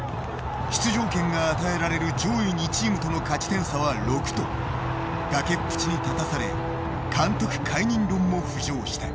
出場権が与えられる上位２チームとの勝ち点差は６と、崖っぷちに立たされ監督解任論も浮上した。